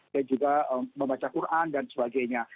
dan juga membaca quran dan sebagainya